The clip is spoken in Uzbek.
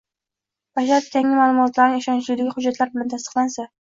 basharti yangi ma’lumotlarning ishonchliligi hujjatlar bilan tasdiqlansa